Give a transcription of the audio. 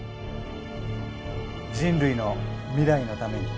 人類の未来のために。